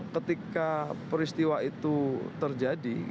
ketika peristiwa itu terjadi